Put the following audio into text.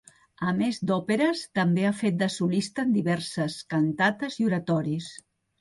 A més d'òperes, també ha fet de solista en diverses cantates i oratoris.